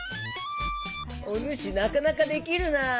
おぬしなかなかできるな。